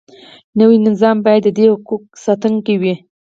نوی نظام باید د دې حقوقو ساتونکی وي.